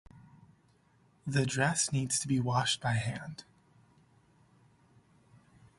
The dress needs to be washed by hand.